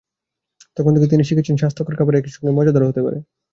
তখন থেকে তিনি শিখেছেন স্বাস্থ্যকর খাবার একই সঙ্গে মজাদারও হতে পারে।